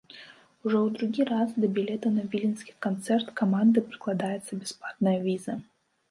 Ужо ў другі раз да білета на віленскі канцэрт каманды прыкладаецца бясплатная віза.